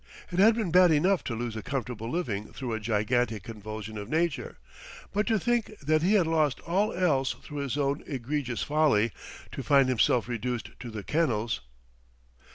It had been bad enough to lose a comfortable living through a gigantic convulsion of Nature; but to think that he had lost all else through his own egregious folly, to find himself reduced to the kennels